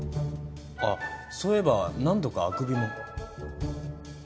あっそういえば何度かあくびも。